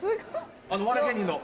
お笑い芸人の。